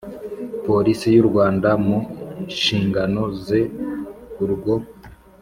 Polisi y u Rwanda mu nshingano ze Urwo